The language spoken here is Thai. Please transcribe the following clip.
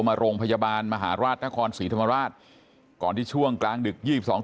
มาโรงพยาบาลมหาราชนครศรีธรรมราชก่อนที่ช่วงกลางดึกยี่สิบสอง